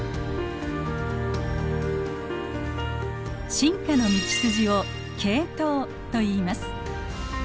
進化の道筋を「系統」といいます。